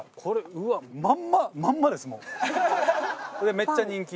めっちゃ人気。